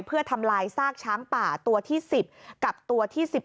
เพื่อทำลายซากช้างป่าตัวที่๑๐กับตัวที่๑๑